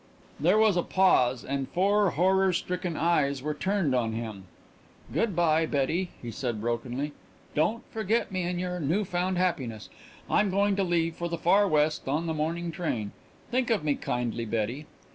There was a pause and four horror stricken eyes were turned on him. "Good by, Betty," he said brokenly. "Don't forget me in your new found happiness. I'm going to leave for the Far West on the morning train. Think of me kindly, Betty."